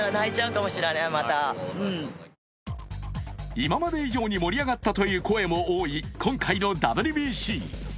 今まで以上に盛り上がったという声も多い今回のＷＢＣ。